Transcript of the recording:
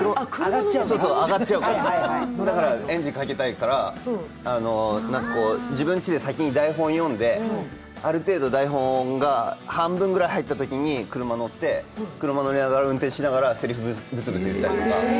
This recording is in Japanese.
上がっちゃうから、だからエンジンかけたいから自分ちで先に台本読んで、ある程度台本が半分くらい入ったときに車に乗りながら、運転しながらせりふブツブツ言ったりとか。